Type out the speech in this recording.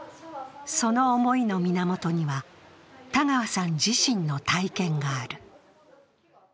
その思いの源には田川さん自身の体験がある。